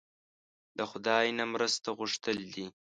له خدای نه مرسته غوښتل دي.